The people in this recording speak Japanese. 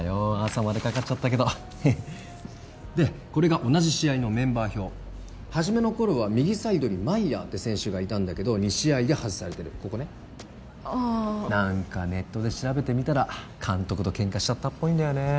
朝までかかっちゃったけどでこれが同じ試合のメンバー表はじめの頃は右サイドにマイヤーって選手がいたんだけど２試合で外されてるここねああなんかネットで調べてみたら監督とケンカしちゃったっぽいんだよね